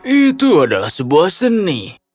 itu adalah sebuah seni